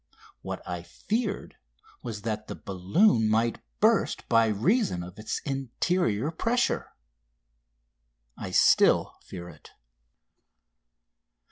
What I feared was that the balloon might burst by reason of its interior pressure. I still fear it.